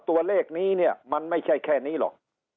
ตัวเลขนี้เนี่ยมันไม่ใช่แค่นี้หรอก